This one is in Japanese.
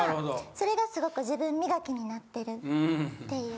それがすごく自分磨きになってるっていう。